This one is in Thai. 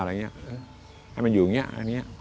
ให้มันอยู่อย่างนี้